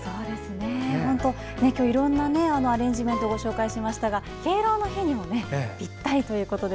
今日はいろんなアレンジメントをご紹介しましたが、敬老の日にもぴったりということで。